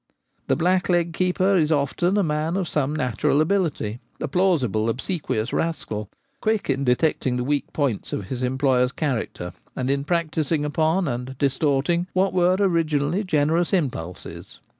The blackleg keeper is often a man of some natural ability — a plausible, obsequious rascal, quick in detecting the weak points of his employer's cha racter, and in practising upon and distorting what were originally generous impulses.